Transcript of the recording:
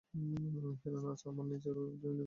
কেননা, আজ আমার নিজের কাছেও নিজের বিনয় করবার দিন নেই।